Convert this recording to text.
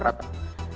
iya itu tentu